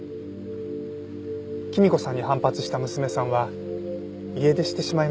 きみ子さんに反発した娘さんは家出してしまいました。